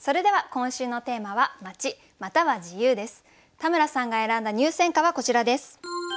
田村さんが選んだ入選歌はこちらです。